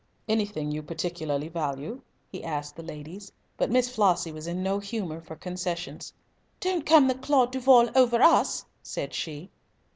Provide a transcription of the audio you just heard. "Anything you particularly value?" he asked the ladies; but Miss Flossie was in no humour for concessions. "Don't come the Claude Duval over us," said she.